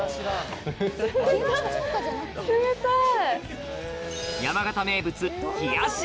冷たい！